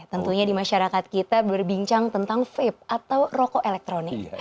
tentunya di masyarakat kita berbincang tentang vape atau rokok elektronik